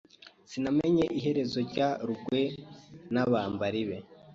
Sinamenye iherezo rya rugwe n’abambari be.